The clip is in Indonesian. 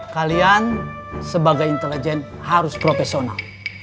kalian sebagai intelijen harus profesional